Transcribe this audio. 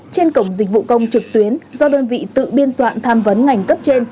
trên cổng dịch vụ công trực tuyến do đơn vị tự biên soạn tham vấn ngành cấp trên